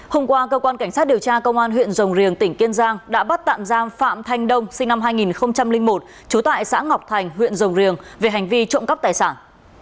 hôm qua cơ quan cảnh sát điều tra công an huyện rồng riềng tỉnh kiên giang đã bắt tạm giam phạm thanh đông sinh năm hai nghìn một trú tại xã ngọc thành huyện rồng riềng về hành vi trộm cắp tài sản